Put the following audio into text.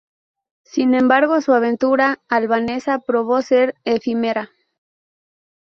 Sin embargo, su aventura albanesa probó ser efímera.